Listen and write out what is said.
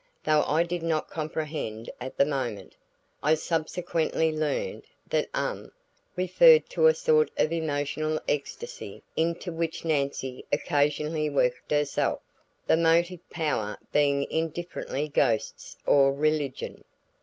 Though I did not comprehend at the moment, I subsequently learned that "um" referred to a sort of emotional ecstasy into which Nancy occasionally worked herself, the motive power being indifferently ghosts or religion.